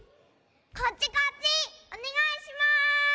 こっちこっち！おねがいします！